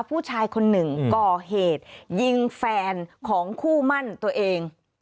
ผู้ชายคนหนึ่งก่อเหตุยิงแฟนของคู่มั่นตัวเอง